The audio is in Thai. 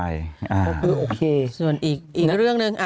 อีกเรื่องนึง